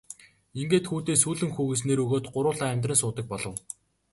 Ингээд хүүдээ Сүүлэн хүү гэж нэр өгөөд гурвуулаа амьдран суудаг болов.